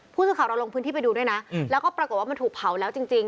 ผู้สื่อข่าวเราลงพื้นที่ไปดูด้วยนะแล้วก็ปรากฏว่ามันถูกเผาแล้วจริง